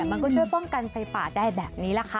มันก็ช่วยป้องกันไฟป่าได้แบบนี้แหละค่ะ